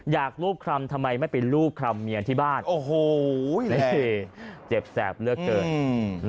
อยากรูปคำทำไมไม่เป็นรูปคำเมียงที่บ้านโอ้โหเห็นแล้วเจ็บแซบเลือกเกิน